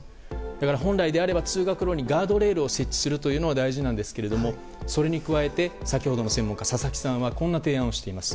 本来であれば通学路にガードレールを設置するというのは大事なんですがそれに加えて先ほどの専門家、佐々木さんはこんな提案をしています。